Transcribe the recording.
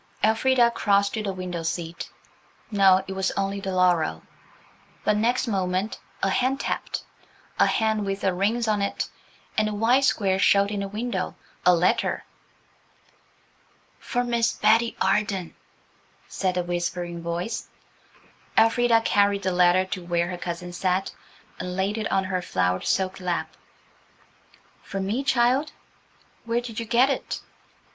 Elfrida crossed to the window seat. No, it was only the laurel. But next moment a hand tapped–a hand with rings on it, and a white square showed in the window–a letter. "For Miss Betty Arden," said a whispering voice. Elfrida carried the letter to where her cousin sat, and laid it on her flowered silk lap. "For me, child? Where did you get it?"